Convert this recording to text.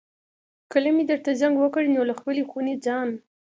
کله مې درته زنګ وکړ نو له خپلې خونې ځان.